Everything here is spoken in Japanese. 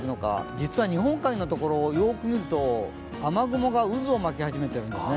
実は日本海のところよく見ると雨雲が渦を巻き始めているんです。